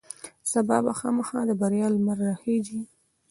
سبا به خامخا د بریا لمر راخیژي.